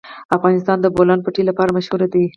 افغانستان د د بولان پټي لپاره مشهور دی.